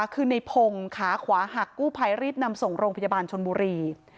คือในพงศ์ขาขวาหักกู้ภัยรีบนำส่งโรงพยาบาลชนบุรี